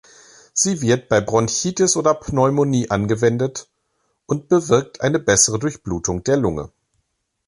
Sie wird bei Bronchitis oder Pneumonie angewendet und bewirkt eine bessere Durchblutung der Lunge.